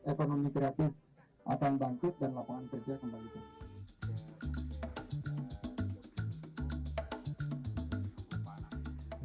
ekonomi kreatif akan bangkit dan lapangan kerja kembali